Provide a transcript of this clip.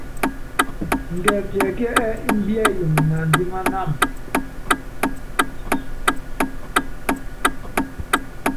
Ngɛli tiɛkíɛ́ ɛ́ɛ́ imbiɛyini naandiman wam?